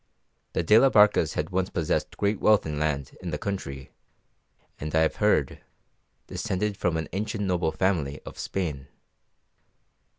The de la Barcas had once possessed great wealth in land in the country, and, I have heard, descended from an ancient noble family of Spain.